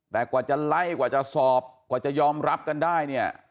แต่กว่าจะไล่กว่าจะสอบกว่าจะยอมรับกันได้เนี่ย